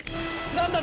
何だ！